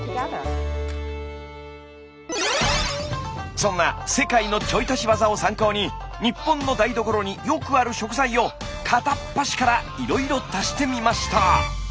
そんな世界のちょい足しワザを参考に日本の台所によくある食材を片っ端からいろいろ足してみました。